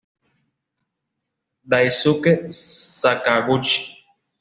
Daisuke Sakaguchi